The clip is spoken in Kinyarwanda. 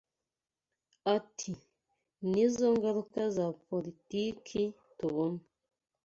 Ati “Nizo ngaruka za politiki tubona